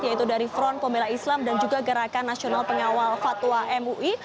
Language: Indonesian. yaitu dari front pembela islam dan juga gerakan nasional pengawal fatwa mui